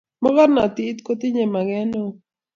Mokornontit kotinye maket neo